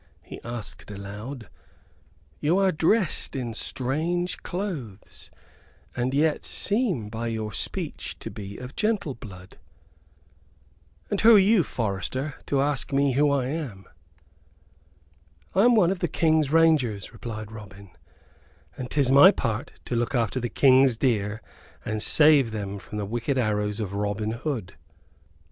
he asked, aloud; "you are dressed in strange clothes and yet seem by your speech to be of gentle blood." "And who are you, forester, to ask me who I am?" "I am one of the King's rangers," replied Robin; "and 'tis my part to look after the King's deer and save them from the wicked arrows of Robin Hood."